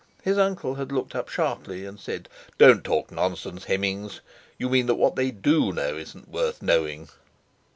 His uncle had looked up sharply and said: "Don't talk nonsense, Hemmings! You mean that what they do know isn't worth knowing!"